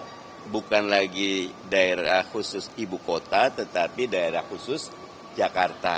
karena bukan lagi daerah khusus ibu kota tetapi daerah khusus jakarta